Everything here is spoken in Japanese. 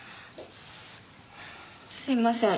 すいません。